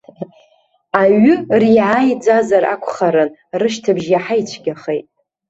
Аҩы риааиӡазар акәхарын, рышьҭыбжь иаҳа ицәгьахеит.